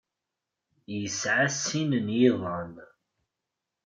Yesɛa sin n yiḍan.